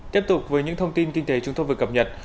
tiếp tục với những thông tin kinh tế chúng tôi vừa cập nhật